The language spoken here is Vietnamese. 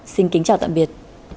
xin kính chào tạm biệt